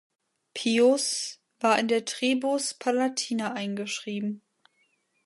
Pius war in der Tribus "Palatina" eingeschrieben.